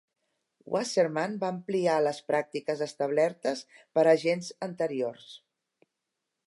Wasserman va ampliar les pràctiques establertes per agents anteriors.